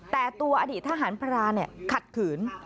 แต่ตัวอดีตทหารพรานขัดขืน